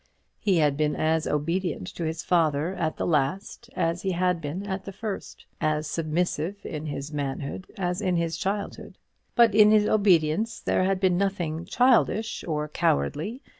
He had been as obedient to his father at the last as he had been at the first; as submissive in his manhood as in his childhood. But in his obedience there had been nothing childish or cowardly.